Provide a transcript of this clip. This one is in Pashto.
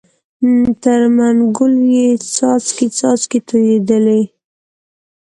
تر منګول یې څاڅکی څاڅکی تویېدلې